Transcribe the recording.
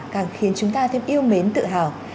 càng khiến chúng ta thêm yêu mến tự hào